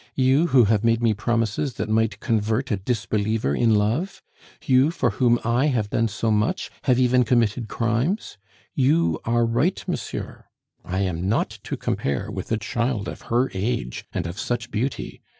You, who have made me promises that might convert a disbeliever in love! You, for whom I have done so much have even committed crimes! You are right, monsieur, I am not to compare with a child of her age and of such beauty!